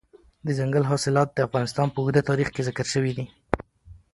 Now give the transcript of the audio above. دځنګل حاصلات د افغانستان په اوږده تاریخ کې ذکر شوی دی.